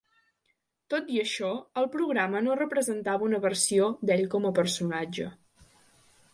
Tot i això, el programa no representava una versió d"ell com a personatge.